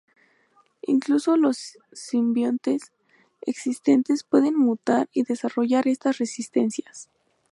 Incluso los simbiontes existentes pueden mutar y desarrollar estas resistencias.